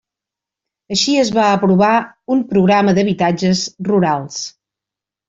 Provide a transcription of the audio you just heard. Així es va aprovar un programa d'habitatges rurals.